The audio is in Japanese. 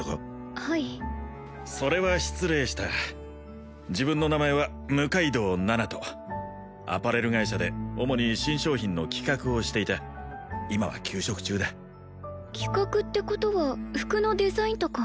はいそれは失礼した自分の名前は六階堂七斗アパレル会社で主に新商品の企画をしていた今は休職中だ企画ってことは服のデザインとか？